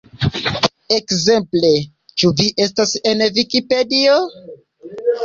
Ekzemple "Ĉu vi estas en Vikipedio?